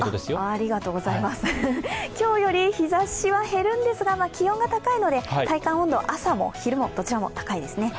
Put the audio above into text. ありがとうございます、今日より日ざしは減るんですけれども気温が高いので体感温度朝も昼もどちらも高いですね。